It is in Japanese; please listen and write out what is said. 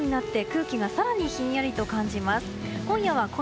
夜になって空気が更にひんやりと感じます。